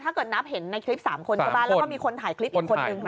ถ้าเกิดนับเห็นในคลิปนี้นะครับ